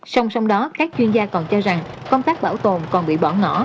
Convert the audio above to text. xong xong đó các chuyên gia còn cho rằng công tác bảo tồn còn bị bỏ ngỏ